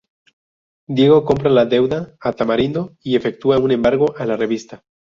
Diego compra la deuda a Tamarindo y efectúa un embargo a la revista.